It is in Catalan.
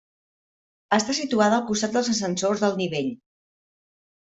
Està situada al costat dels ascensors del nivell.